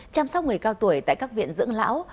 chăm sóc người cao tuổi tại các viện dưỡng lão